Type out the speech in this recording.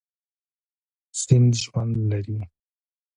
سیند ژوند لري.